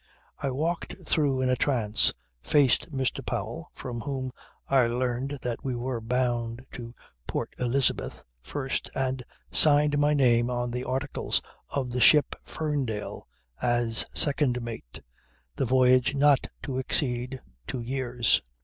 I walked through in a trance, faced Mr. Powell, from whom I learned that we were bound to Port Elizabeth first, and signed my name on the Articles of the ship Ferndale as second mate the voyage not to exceed two years.